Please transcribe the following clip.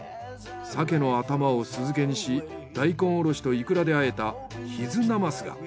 鮭の頭を酢漬けにし大根おろしといくらであえた氷頭なますが！